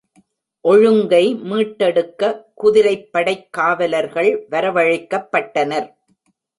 ஒழுங்கை மீட்டெடுக்க குதிரைப்படைக் காவலர்கள் வரவழைக்கப்பட்டனர்.